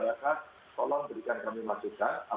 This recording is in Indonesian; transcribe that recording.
apa yang kurang dari kami dan itu nyaman untuk kita lakukan bersama